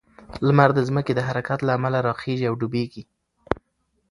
لمر د ځمکې د حرکت له امله راخیژي او ډوبیږي.